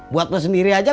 buat lu sendiri aja